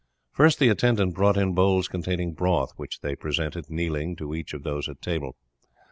First the attendance brought in bowls containing broth, which they presented, kneeling, to each of those at table.